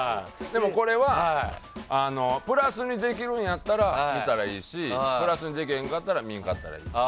でも、これはプラスにできるんやったら見たらいいしプラスにできへんかったら見いひんかったらいい。